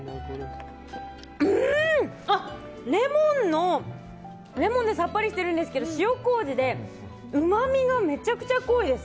うん、レモンでさっぱりしているんですけど塩麹でうまみがめちゃくちゃ濃いです。